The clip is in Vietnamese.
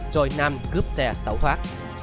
rồi nam cướp xe tẩu thoát